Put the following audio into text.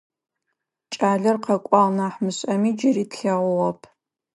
Кӏалэр къэкӏуагъ нахь мышӏэми, джыри тлъэгъугъэп.